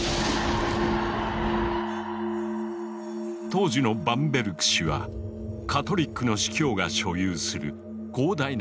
当時のバンベルク市はカトリックの司教が所有する広大な領地の一部。